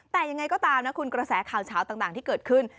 แต่ยังไงก็ตามนะคุณกระแสข่าวเฉาต่างที่เกิดขึ้น